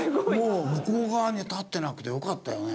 向こう側に立ってなくてよかったよね。